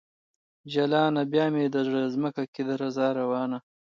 جلانه ! بیا مې د زړه ځمکه کې درزا روانه